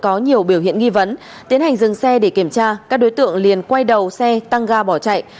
có nhiều biểu hiện nghi vấn tiến hành dừng xe để kiểm tra các đối tượng liền quay đầu xe tăng ga bỏ chạy